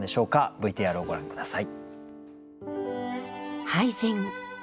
ＶＴＲをご覧下さい。